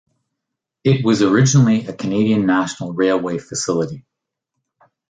It was originally a Canadian National Railway facility.